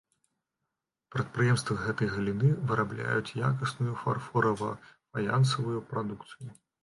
Прадпрыемствы гэтай галіны вырабляюць якасную фарфора-фаянсавую прадукцыю.